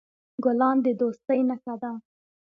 ګلان د دوستی نښه ده.